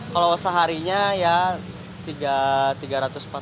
kalau seharinya ya rp tiga ratus empat ratus dapat